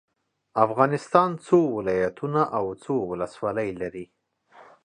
افغانستان څو ولايتونه او څو ولسوالي لري؟